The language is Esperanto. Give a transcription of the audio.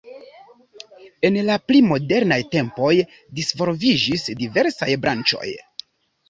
En la pli modernaj tempoj disvolviĝis diversaj branĉoj.